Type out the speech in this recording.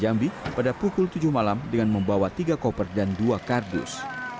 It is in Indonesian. jambi pada pukul tujuh malam dengan membawa tiga koper dan dua kardus